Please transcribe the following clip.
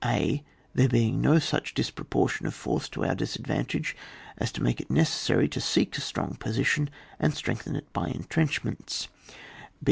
a, there being no such disproportion of force to our disadvantage as to make it necessary to seek a strong position and strengthen it by entrenchments.